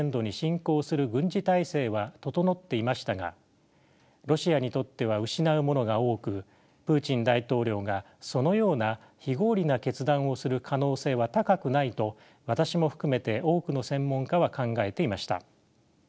整っていましたがロシアにとっては失うものが多くプーチン大統領がそのような非合理な決断をする可能性は高くないと私も含めて多くの専門家は考えていました。